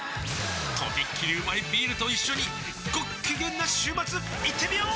とびっきりうまいビールと一緒にごっきげんな週末いってみよー！